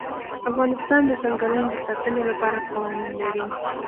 افغانستان د ځنګلونه د ساتنې لپاره قوانین لري.